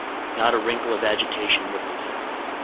Not a wrinkle of agitation rippled him.